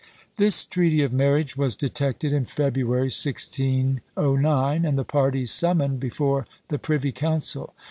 This treaty of marriage was detected in February, 1609, and the parties summoned before the privy council.